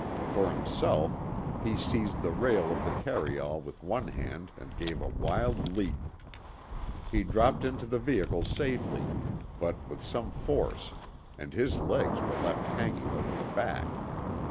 For himself he seized the rail of the carryall with one hand and gave a wild leap. He dropped into the vehicle safely but with some force, and his legs were left hanging over the back.